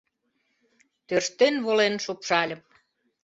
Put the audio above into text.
Тӧрштен волен шупшальым.